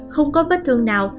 không có vết thương nào